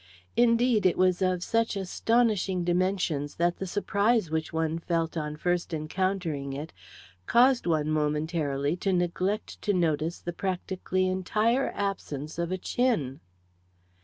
Indeed, it was of such astonishing dimensions that the surprise which one felt on first encountering it, caused one, momentarily, to neglect to notice the practically entire absence of a chin.